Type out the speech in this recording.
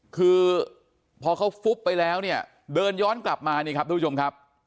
คือพอเขาฟุบไปแล้วเนี่ยเดินย้อนกลับมานี่ครับทุกผู้ชมครับ